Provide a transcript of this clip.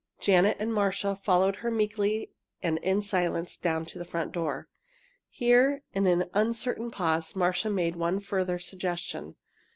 Janet and Marcia followed her meekly and in silence down to the front door. Here, in an uncertain pause, Marcia made one further suggestion.